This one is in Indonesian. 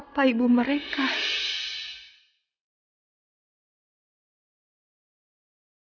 namun ketika aa di proa tez su absolut